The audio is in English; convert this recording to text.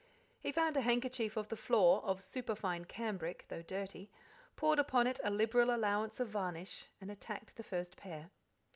He found a handkerchief on the floor, of superfine cambric, though dirty, poured upon it a liberal allowance of varnish, and attacked the first pair.